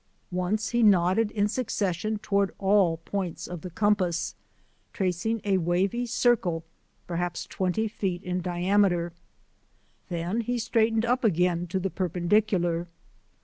Once he nodded in succession toward all points of the com; tracing a wavy circle perhaps twenty feet in diame ter. Then he straightened up again to the per pendicular.